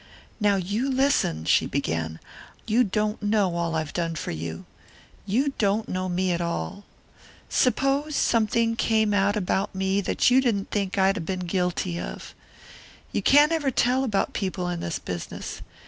"Now you listen," she began. "You don't know all I've done for you. You don't know me at all. Suppose something came out about me that you didn't think I'd 'a' been guilty of. You can't ever tell about people in this business.